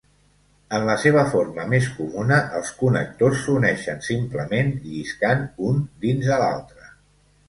En la seva forma més comuna els connectors s'uneixen simplement lliscant un dins de l'altre.